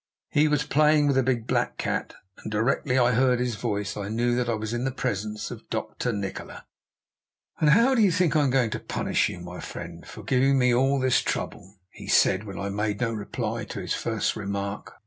He was playing with a big black cat, and directly I heard his voice I knew that I was in the presence of Dr. Nikola. "'And how do you think I am going to punish you, my friend, for giving me all this trouble?' he said when I made no reply to his first remark.